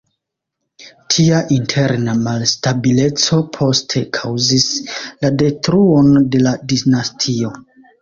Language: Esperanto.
Tia interna malstabileco poste kaŭzis la detruon de la dinastio.